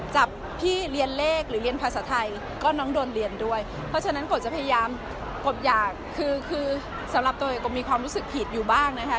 จับพี่เรียนเลขหรือเรียนภาษาไทยก็น้องโดนเรียนด้วยเพราะฉะนั้นกบจะพยายามกบอยากคือคือสำหรับตัวเองกบมีความรู้สึกผิดอยู่บ้างนะคะ